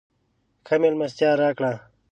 ښه مېلمستیا راکړه.